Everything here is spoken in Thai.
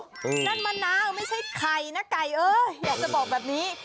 นั่นมะนาวไม่ใช่ไข่นะไก่เอออยากจะบอกแบบนี้